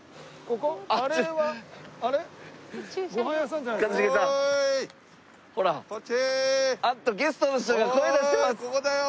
ここだよ